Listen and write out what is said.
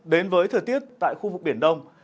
đến với thời tiết tại khu vực biển đông